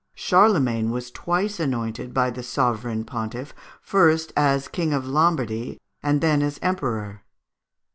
Charlemagne was twice anointed by the Sovereign Pontiff, first as King of Lombardy, and then as Emperor.